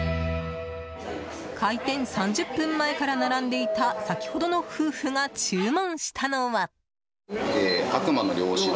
開店３０分前から並んでいた先ほどの夫婦が注文したのは。